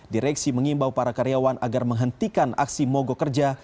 direksi mengimbau para karyawan agar menghentikan aksi mogok kerja